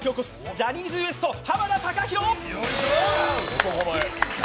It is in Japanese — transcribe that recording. ジャニーズＷＥＳＴ・濱田崇裕。